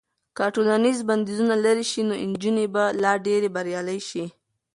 که ټولنیز بندیزونه لرې شي نو نجونې به لا ډېرې بریالۍ شي.